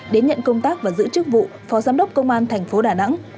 đến nhận công tác và giữ chức vụ phó giám đốc công an thành phố đà nẵng